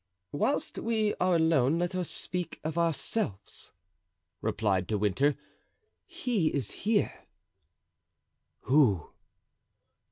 "Whilst we are alone let us speak of ourselves," replied De Winter. "He is here." "Who?"